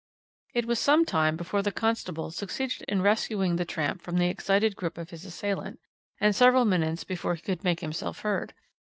"It was some time before the constable succeeded in rescuing the tramp from the excited grip of his assailant, and several minutes before he could make himself heard.